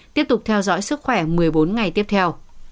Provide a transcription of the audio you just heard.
tiếp tục theo dõi sức khỏe một mươi bốn ngày tiếp theo